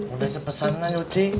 udah cepet sana yuci